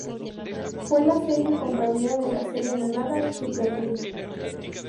Fue la serie compañera de la serie animada El Super Libro.